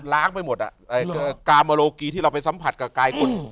ลากไปหมดอ่ะกรรมโลกีที่เราไปสัมผัสกับกายคน